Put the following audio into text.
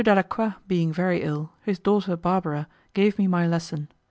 Dalacqua being very ill, his daughter Barbara gave me my lesson.